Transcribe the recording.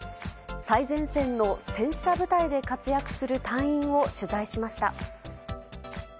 最前線の戦車部隊で活躍する隊員を取材しました。